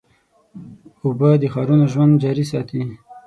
اوبه د ښارونو ژوند جاري ساتي.